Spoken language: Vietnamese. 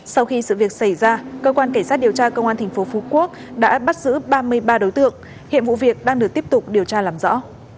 sau khi sự việc xảy ra cơ quan cảnh sát điều tra công an tp phú quốc đã bắt giữ ba mươi ba đối tượng hiện vụ việc đang được tiếp tục điều tra làm rõ